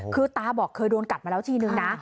คือตาบอกเคยโดนกัดมาแล้วทีนึงนะ